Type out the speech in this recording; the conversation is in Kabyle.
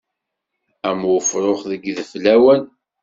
Am ufrux deg yideflawen.